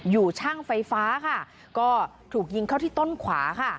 อยู่ช่างไฟฟ้าค่ะก็ถูกยิงเข้าที่ต้นขวาค่ะ